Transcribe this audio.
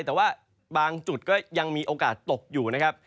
แต่ว่าบางจุดก็ยังมีโอกาสตกอยู่นะครับ